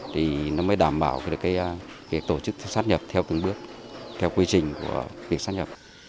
thì nó mới đảm bảo được tổ chức sát nhập theo từng bước theo quy trình của việc sắp nhập